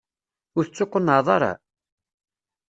Ur tettuqennɛeḍ ara?